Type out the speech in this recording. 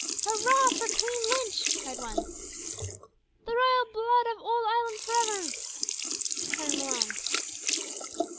"Hurrah! for Queen Lynch," cried one. "The Royal blood of owld Ireland for ivver!" shouted Malone.